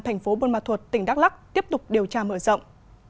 tp bôn mạ thuật tỉnh đắk lắc tiếp tục điều tra mở rộng